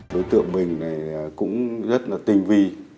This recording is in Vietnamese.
đối tượng bình cũng rất tinh vi